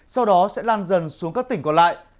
sau đó sẽ lan dần xuống các tỉnh còn lại